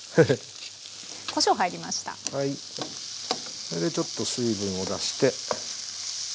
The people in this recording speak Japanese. それでちょっと水分を出して。